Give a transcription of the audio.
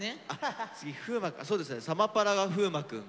そうですね「サマパラ」が風磨くんが。